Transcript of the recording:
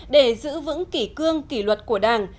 để giữ vững kỷ cương kỷ luật của đảng